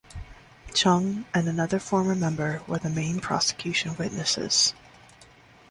Chung and another former member were the main prosecution witnesses.